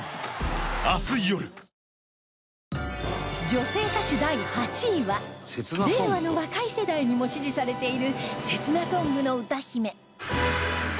女性歌手第８位は令和の若い世代にも支持されている「切なソング」の歌姫